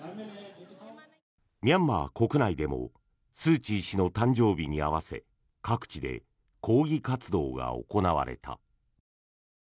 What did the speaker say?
ミャンマー国内でもスーチー氏の誕生日に合わせ各地で抗議活動が行われた。